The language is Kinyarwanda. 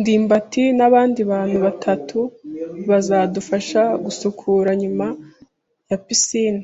ndimbati nabandi bantu batatu bazadufasha gusukura nyuma ya picnic.